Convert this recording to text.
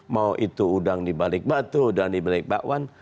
mau itu udang dibalik batu udang dibalik bakwan